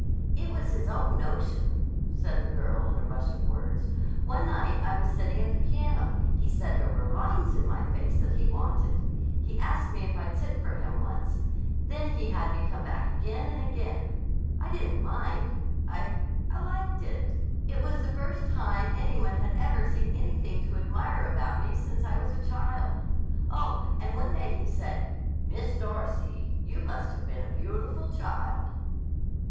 "It was his own notion," said the girl in a rush of words. "One night I was sitting at the piano. He said there were lines in my face that he wanted. He asked me if I'd sit for him once. Then he had me come back again and again. I didn't mind. I—I liked it. It was the first time any one had ever seen anything to admire about me since I was a child. Oh, and one day he said: 'Miss Darcy, you must have been a beautiful child.